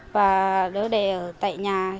và đỡ đẻ ở tại nhà